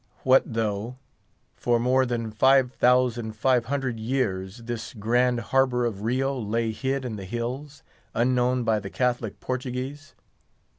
What though, for more than five thousand five hundred years, this grand harbour of Rio lay hid in the hills, unknown by the Catholic Portuguese?